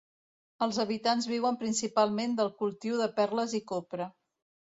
Els habitants viuen principalment del cultiu de perles i copra.